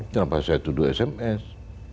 kenapa saya tuduh sms